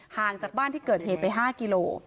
ห่างจากบ้านที่เกิดเหตุไป๕กิโล